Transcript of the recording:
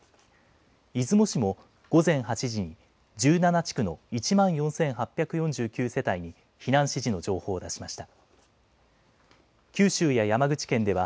出雲市も午前８時に１７地区の１万４８４９世帯に避難指示の情報を出しました。